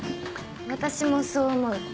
私もそう思う。